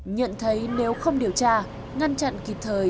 nhận thấy nếu không điều tra ngăn chặn kịp thời